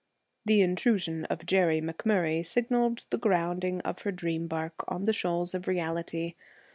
The intrusion of Jerry McMurray signaled the grounding of her dream bark on the shoals of reality.